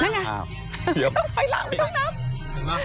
ไม่ต้องถอยหลังไม่ต้องนับ